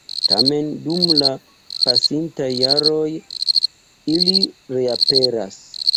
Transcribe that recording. Tamen, dum la pasintaj jaroj ili reaperas.